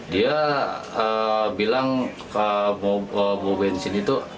dia bilang mau bensin itu